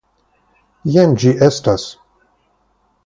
Jen ĝi estas.